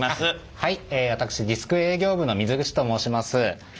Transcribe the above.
はい私ディスク営業部の水口と申します。